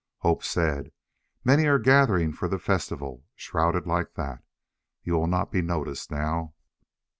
Hope said, "Many are gathering for the festival shrouded like that. You will not be noticed now."